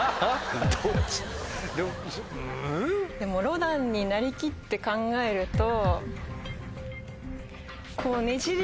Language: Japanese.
でもロダンになり切って考えると。